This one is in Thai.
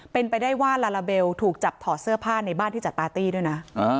เป็นไปได้ว่าลาลาเบลถูกจับถอดเสื้อผ้าในบ้านที่จัดปาร์ตี้ด้วยนะ